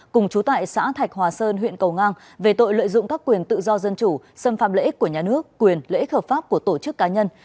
cùng chú tại xã thạch hòa sơn huyện cầu ngang về tội lợi dụng các quyền tự do dân chủ xâm phạm lợi ích của nhà nước quyền lợi ích hợp pháp của tổ chức cá nhân